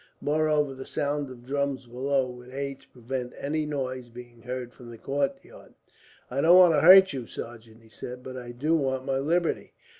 Moreover, the sound of drums below would aid to prevent any noise being heard from the courtyard. "I don't want to hurt you, sergeant," he said, "but I do want my liberty.